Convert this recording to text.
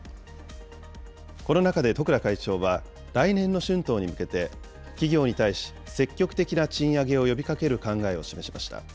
この中で十倉会長は、来年の春闘に向けて、企業に対し、積極的な賃上げを呼びかける考えを示しました。